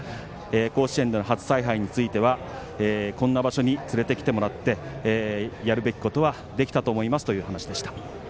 甲子園での初采配についてはこんな場所に連れてきてもらってやるべきことはできたと思いますという話でした。